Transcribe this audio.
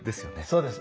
そうです。